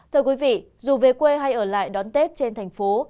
thưa quý vị dù về quê hay ở lại đón tết trên thành phố